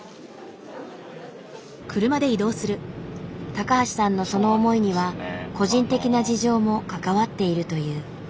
高橋さんのその思いには個人的な事情も関わっているという。